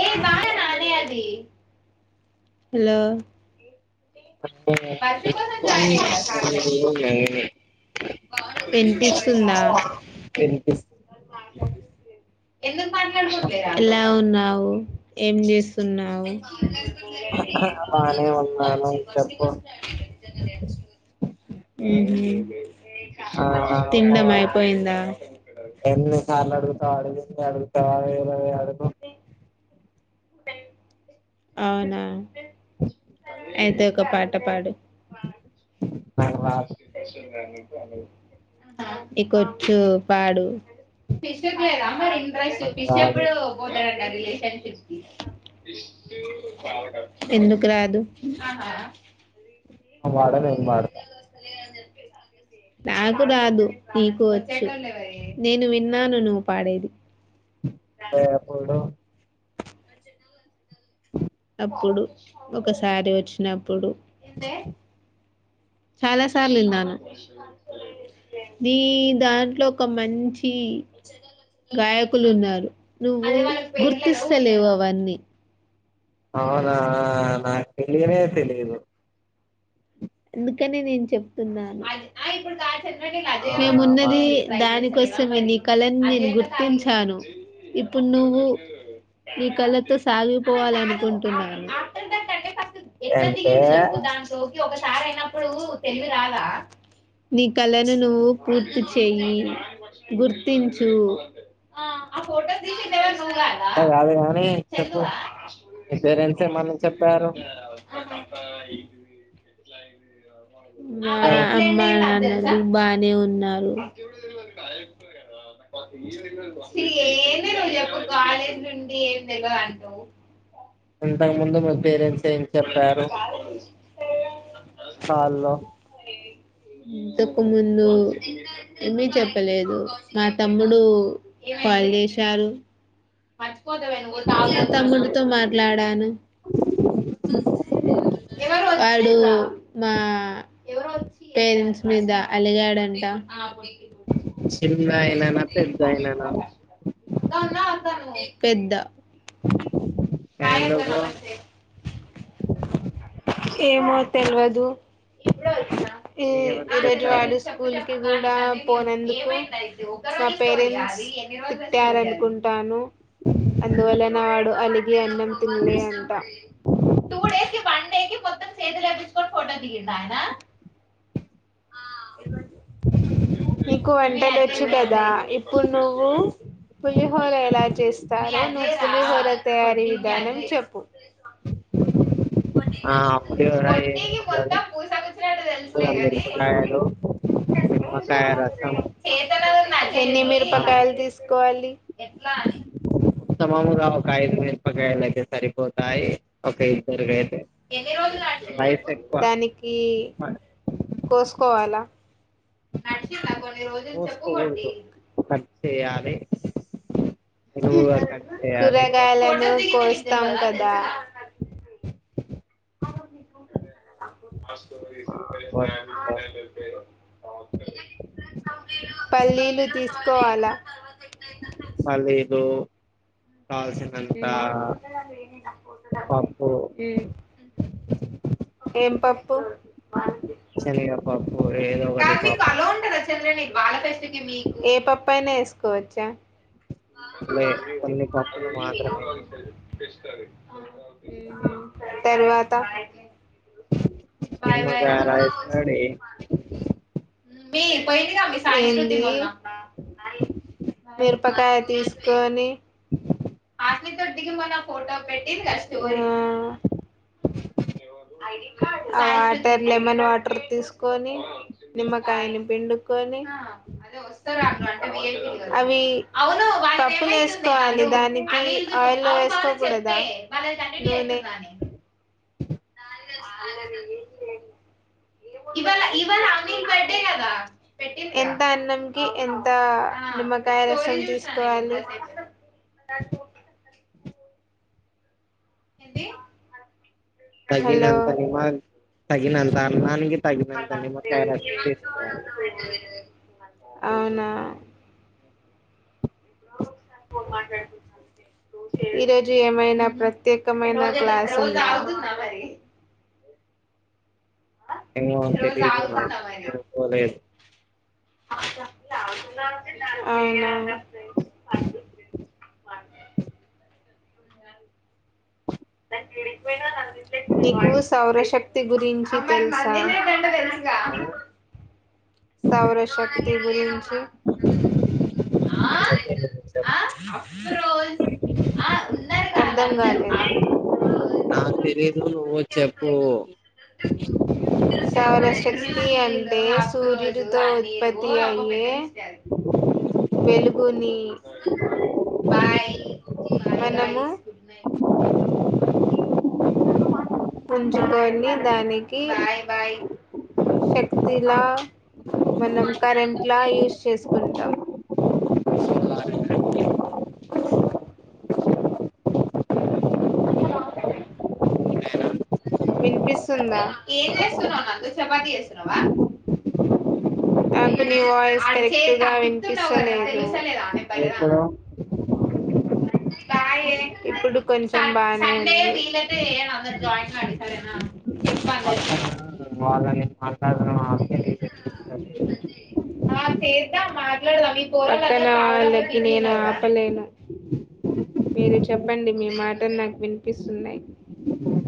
ఏ బాగా నానే హలో. వర్ష కోసం జాయిన్ [unintelligible] వినిపిస్తుందా. వినీపీస్. ఎలా ఉన్నా. వు, ఏం చేస్తున్నావు. బానేఉన్నాను, చెప్పు. ఆ తిన్నడం, అయిపోయిందా. చార్లు అడుగుతా, అడిగిందే అడుగుతావా, ఏమైనా ఆడు. అవునా, అయితే ఒక పాట పాడు. నాకు రాదు నీకొచ్చు, పాడు. ఫిష్ లేద, మరి ఇంట్రెస్ట్ నాకు ఫిష్ రాదు ఎప్పుడు పోతారంట, రిలేషన్షిప్ కి. ఎందుకు రాదు. నువ్వు పాడు నేన్ పాడతా. నాకు రాదు, నీకు వొచ్చు, నేను విన్న. నాను నువ్వు పాడేది. అ ఎపుడు. అప్పుడు, ఒకసారి ఓచ్చినప్పుడు. చాలా సార్లు ఇన్నాను. నీ దాంట్లో ఒక మంచి. గాయకులు ఉన్నారు, నువ్వు గుర్తిస్తలేవు అవన్నీ. అవునా, నాకు తెలియనే తెలిదు. అందుకనే నేను, చెప్తున్నాను. అవునా మా మేమున్నది, దానికోస. అసమే నీ కళని నేను గుర్తించాను, ఇప్పుడు నువ్వు. ఈ కళతో, సాగిపోవాల అనుకుంటున్నాను. ఎట్లా అంటే దింగిండు చెప్పు, అంత దాంట్లోకి ఒకసారి అయినప్పుడు, తెలివి రాదా. నీ కళలను నువ్వు పూర్తి చెయి, గుర్తించు. ఆ ఆ ఫోటో తీసీ దేవుని రూమ్ లో దవ కాదు కానీ చూద చెప్పు చందువా. మీ పేరెంట్స్ ఏమన్నా చెప్పారు [inaudible] మా అమ్మ నాన్న. బానే ఉన్నారు. ఇ ఏంది నువ్వు చెప్పు, గారెలా పిండి ఎం తెలువదాంటావ్. ఇంతకు ముందు, మీ పేరెంట్స్ ఏం చెప్పారు. కాల్లో ఇంతకు ముందు. ఏమీ చెప్పలేదు, మా తమ్ముడు కాల్ చేశారు. మా తమ్ముడితో మాట్లాడాను. [inaudible] వాడు మా. పేరెంట్స్ మీద, అలిగాడంట. చిన్న అయినా, పెద్ద అయినా. అక్క పెద్ద. హాయ్ అక్క ఎందుకు. నమస్తే ఏమో తెలువదు. ఈ మీకెవరు ఈ రోజు, చెప్పారు వాడు స్కూల్ కి కూడా, పోనందుకు మా పేరెంట్స్. కుట్టారనుకుంటాను. అందువలన, అడు అలిగి అన్నం, తిన్లే అంట. కొత్త స్టేటస్ ఎపించుకొని, ఫోటో దిగిండాట. నీకు వంట చేవొచ్చు కదా ఇప్పుడు నువ్వు పులిహోర ఎలా చేస్తారో నువ్వు పులిహోర తయారీ విధానం చెప్పు ఆ ఆ తె పులిహోర ఏమేమి పటీకి ఉండాలో మొత్తం పూస కూచ్చినంట తెలుసులే కానీ మిరపకాయలు నిమ్మకాయ రసం చేతనది నా ఎన్ని అన్నము మీరపకాయలు తీసుకోవాలి ఉత్తమముంగా ఒక ఐదు మిరపకాయలు అయితే సరిపోతాయి ఒక ఇద్దరు గైతే దానికి కోసుకోవాలా నడిచింద కొన్ని రోజులు చెప్పు కొట్టి పోసుకోకూడదు కట్ చేయాలి నిలువుగా కట్ చేయాలి కూరగాయలను కోస్తాం కదా మా ఆ, వస్- వస్- పల్లీలు తీసుకోవాలా పల్లిలు ఉమ్ ఉమ్ పప్పు ఏం పప్పు చెనిగేపప్పు కా మీకు కలో ఉంటుదా చెల్లని ఏ పప్పు అయినా ఎసుకోవచ్చా లే అ కొన్ని పప్పులు మాత్రమే అ తర్వాత బాయ్ బాయ్ నిమ్మాకాదు రాయసడి ఏంది మిరపాకాయ తీస్ కోని ఆ ఆ టె లెమన్ వాటర్ తీసుకొని నిమ్మకాయని పిండుకొని అదే వస్తార అ అంటే మీ అవి పప్పులు వేసుకోవాలి దానికి ఆయిల్ లో వేసుకోకూడదా నున్నె అలా ఏంటి ఎంత అన్నంకి ఎంత నిమ్మకాయ రసం తీసుకోవాలి ఎంత తగినంత నిమ్మ రసం తగినంత అన్నానికి తగినంత నిమ్మకాయ రసం తీసుకోవాలి అవునా మాట్లాడు చతే ఈరోజు ఏమైనా ప్రత్యేకమైన క్లాస్ ఉందా ఏమో రోజు తెలీదు నాకు నేను పోలేదు అవునా నీకు సౌరశక్తి గురించి తెలుసా పెసుక ఆ, సౌరశక్తి గురించి నాకైతే నువ్వు చెప్పు. ఆ రోజ అర్థం కాలేదు నాకు తెలీదు నువ్వు చెప్పు సౌరశక్తి అంటే సూర్యుతో ఉత్పత్తి అయ్యి వెలుగుని మనము ఉంచుకొని దానికి శక్తిలా మనం కరెంట్లా యూస్ చేసుకుంటాం అమ నా విన్పిస్సుందా తంతు నీ వాయిస్ కరెక్ట్గా వినిపిస్త లేదు పరద ఎప్పుడు ఇప్పుడు కొంచెం బానే ఇన్పిస్ అక్కా వాళ్ళని మాట్లాడడం ఆ అదే పక్కన ఆళ్ళకి నేను ఆపలేను మీరు చెప్పండి మీ మాటల్ నాకు వినిపిస్తున్నయ్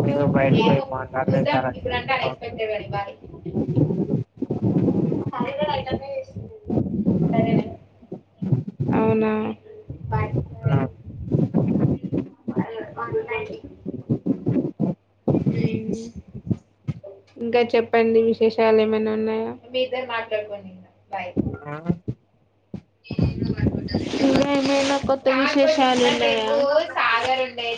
నేను బయటికి పోయి ఏమో మాట్లాడితే చూద్దాం చాలా ఇప్పుడుంటే చెడ్డగా ఉంటుంది అన్ఎక్స్పెక్టెడ్ కాడి భా సరే మేమ్ అవునా ఆ త్యాీ ఊహు ఇంకా చెప్పండి విశేషాలు ఏమైనా ఉన్నాయా బాయ్ ఆ, ఇంగా ఏమైనా కొత్త విశేషాలు ఉన్నాయా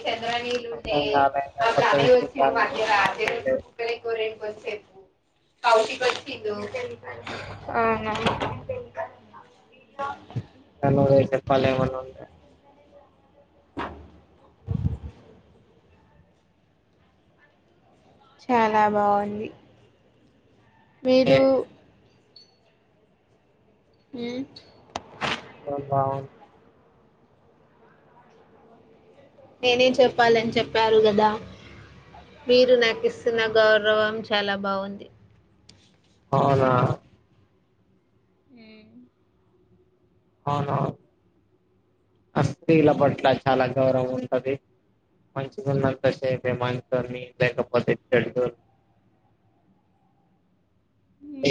చంద్రనీీళ్లు ఉండే అర్థం కాలే అ ఇంకా ప్ర కొత్త అనే వచ్చి నువ్ విశేషాలు మధ్యధ్య వచ్చి కుక్కల రెండు వసే అవునా ఆ హలో చెప్పాల్ ఏమన్నుంటే చాలా బాగుంది మీరు ఊ ఆ బౌన్ నేనేం చెప్పాలని చెప్పారు గదా మీరు నాకిస్తున్న గౌరవం చాలా బాగుంది అవునా హూ అవునూ అ స్త్రీల పట్ల చాలా గౌరవం ఉంటది మంచిగున్నంత సేపే మంచోడ్ని లేకపోతే చెడ్డో.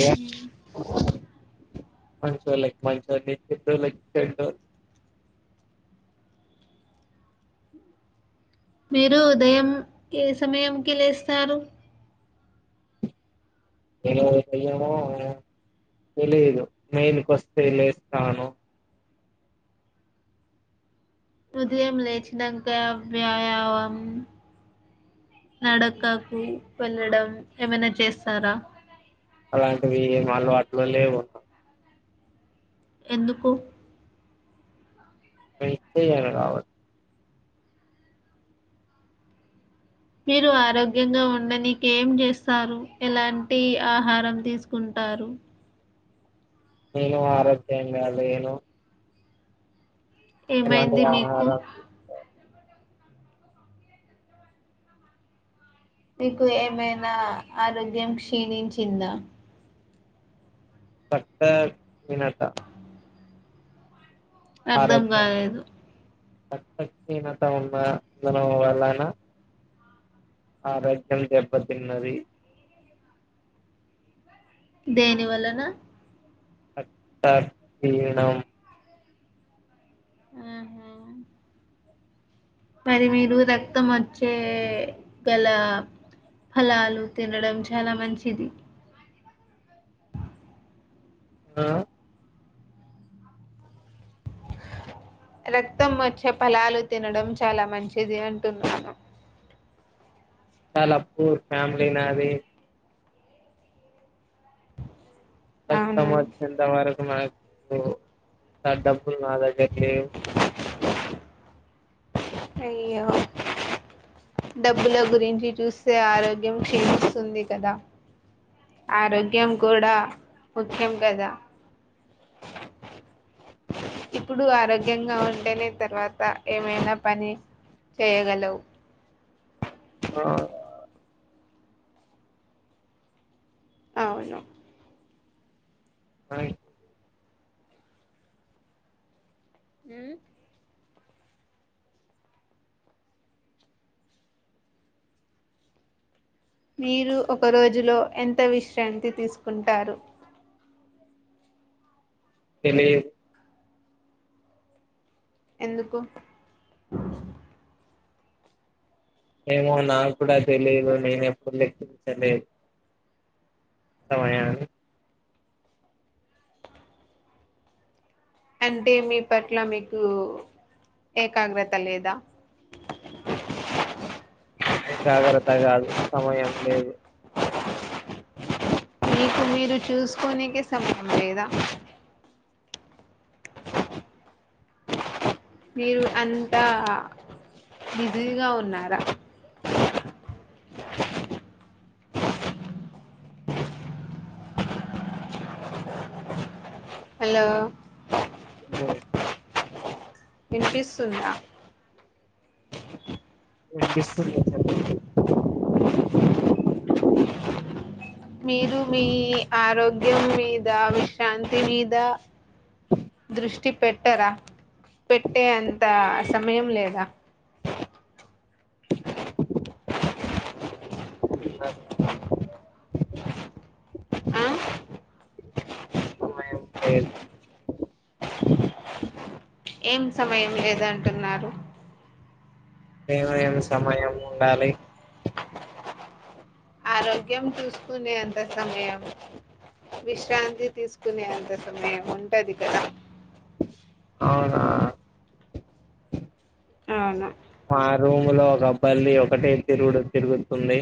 ఏ మంచోలక్ మంచోన్ని చెడ్డోలక్ చెడ్డోన్ మీరూ ఉదయం ఏ సమయం కి లేస్తారు నేను బియ్యమూ తెలీదు నేను ఫస్టే లేస్తాను ఉదయం లేచినంక వ్యాయామం నడకకు వెళ్ళడం ఏమైనా చేస్తారా అలాంటివి ఏం అలవాట్లు లేవ్ అక్క ఎందుకు [unintelligible] మీరు ఆరోగ్యంగా ఉండనికె ఏం చేస్తారు, ఎలాంటి ఆహారం తీసుకుంటా. తారు నేను ఆరోగ్యంగా లేను ఎలాంటి ఏమైంది మీకు ఆహారం మీకు ఏమైనా ఆరోగ్యం క్షీణించిందా పట్ట వినాట అర్థం కాలేదు రక్తహీనత వల్లన నువ్ వల్లన ఆ రక్కా దెబ్బ తిన్నది దేని వలన రక్త హీనం ఆహా మరి మీరు రక్తం వచ్చే గల ఫలాలు తినడం చాలా మంచిది ఆ రక్తం వచ్చే పలాలు తినడం చాలా మంచిది అంటున్నాను చాలా పూర్ ఫ్యామిలీ నాది రక్తం అవునా ఓచ్చేంతవరకు మనకు సడాం బ్బుల్ నా దగ్గర్ లేవ్ అయ్యో డబ్బుల గురించి చూస్తే ఆరోగ్యం క్షీణిస్తుంది కదా ఆరోగ్యం కూడా ముఖ్యం కదా ఇప్పుడు ఆరోగ్యంగా ఉంటేనే తర్వాత ఏమైనా పని చేయగలవ్ ఆ అవును హాయ్ ఉహ్ మీరు ఒక రోజులో ఎంత విశ్రాంతి తీసుకుంటారు తెలియదు ఎందుకు ఏమో నా కూడా తెలియదు నేను ఎప్పుడు లెక్కించలేదు సమయాన్నీ అంటే మీ పట్ల మీకు ఏకాగ్రత లేదా ఏకాగ్రత కాదు సమయం లేదు మీకు మీరు చూసుకోనికే సమయం లేదా మీరు అంతా బిజీగా ఉన్నారా హలో అబ్బో వినిపిస్తుందా వినిపిస్తుంది చెప్పు మీరు మీ ఆరోగ్యం మీద విశ్రాంతి మీద దృష్టి పెట్టరా పెట్టే అంత సమయం లేదా [inaudible] ఆ ఆ [unintelligible] సమయం లేదు ఏం సమయం లేదంటున్నారు ఏవయం సమయం ఉండాలి ఆరోగ్యం చూసుకునే అంత సమయం విశ్రాంతి తీసుకునే అంత సమయం ఉంటది కదా అవునా అవును మా రూమ్ లో ఒక బల్లి ఒకటే తిరుగుడు తిరుగుతుంది